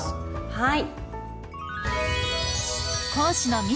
はい。